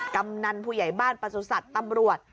กำนันผู้ใหญ่บ้านประสุทธิ์ตำรวจ